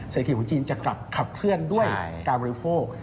เศรษฐกิจของจีนจะกลับขับเคลื่อนด้วยการบริโภค